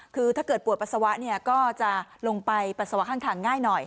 คือถ้าเกิดปวดปัสสาวะก็จะลงไปปัสสาวะข้างทางง่ายหน่อย